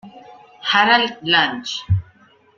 Harald Lange.